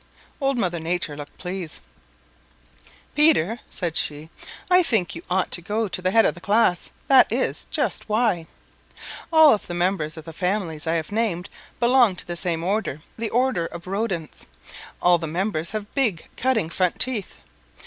Old Mother Nature looked pleased. "Peter," said she, "I think you ought to go to the head of the class. That is just why. All the members of all the families I have named belong to the same order, the order of Rodents. All the members have big, cutting, front teeth.